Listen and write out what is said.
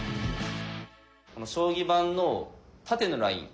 この将棋盤の縦のライン